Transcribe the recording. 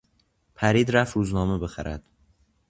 پرید رفت روزنامه بخرد.